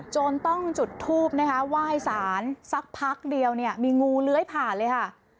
จนต้องจุดทูบว่ายสารสักพักเดียวมีงูเลื้อยผ่านเลยค่ะ